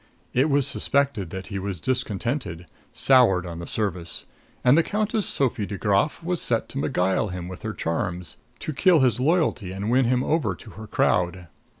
It was suspected that he was discontented, soured on the Service; and the Countess Sophie de Graf was set to beguile him with her charms, to kill his loyalty and win him over to her crowd.